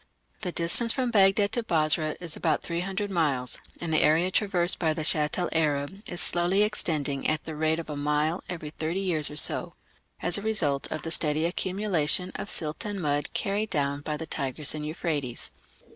The distance from Baghdad to Basra is about 300 miles, and the area traversed by the Shatt el Arab is slowly extending at the rate of a mile every thirty years or so, as a result of the steady accumulation of silt and mud carried down by the Tigris and Euphrates.